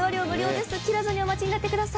切らずにお待ちになってください。